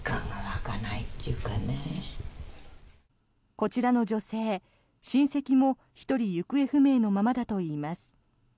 こちらの女性、親戚も１人行方不明のままだといいます。